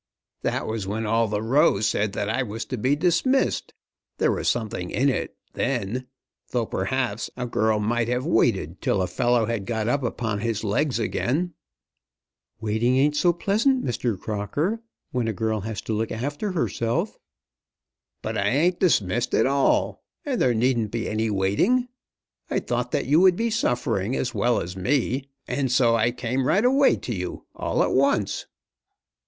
"That was when all the Row said that I was to be dismissed. There was something in it, then; though, perhaps, a girl might have waited till a fellow had got up upon his legs again." "Waiting ain't so pleasant, Mr. Crocker, when a girl has to look after herself." "But I ain't dismissed at all, and there needn't be any waiting. I thought that you would be suffering as well as me, and so I came right away to you, all at once."